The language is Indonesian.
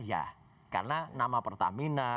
ya karena nama pertamina